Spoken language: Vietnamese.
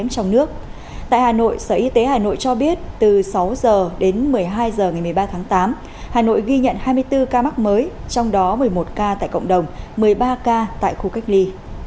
cũng trong bản tin dịch mới sở y tế hà nội cho biết từ sáu giờ đến một mươi hai giờ ngày một mươi ba tháng tám hà nội ghi nhận hai mươi bốn ca mắc mới trong đó một mươi một ca tại cộng đồng một mươi ba ca tại khu cách ly